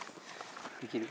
できる？